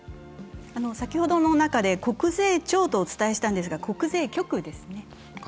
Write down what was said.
先ほどの中で国税庁とお伝えしたんですが、国税局ですね。